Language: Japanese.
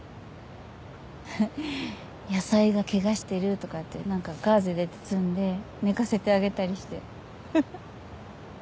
ふふっ野菜がけがしてるとか言って何かガーゼで包んで寝かせてあげたりしてふふっ。